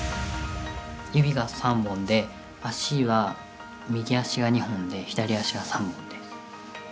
指が３本で、足は右足が２本で、左足が３本です。